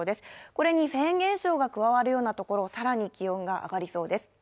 これにフェーン現象が加わるようなところ、更に気温が上がりそうです。